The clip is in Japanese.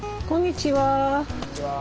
こんにちは。